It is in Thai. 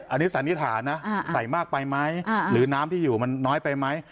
อันนี้สันนิษฐานนะใส่มากไปไหมหรือน้ำที่อยู่มันน้อยไปไหม